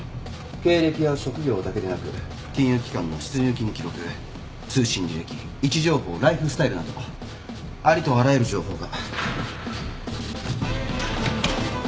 経歴や職業だけでなく金融機関の出入金記録通信履歴位置情報ライフスタイルなどありとあらゆる情報が。